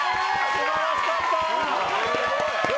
素晴らしかったー！